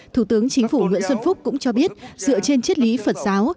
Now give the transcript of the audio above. thủ tướng chính phủ nguyễn xuân phúc cũng cho biết dựa trên chất lý phật giáo